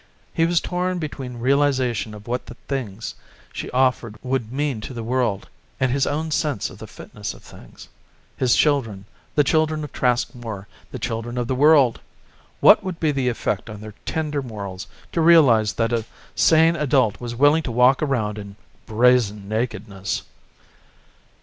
He was torn between realization of what the things she offered would mean to the world and his own sense of the fitness of things. His children, the children of Traskmore, the children of the world ... what would be the effect on their tender morals to realize that a sane adult was willing to walk around in brazen nakedness?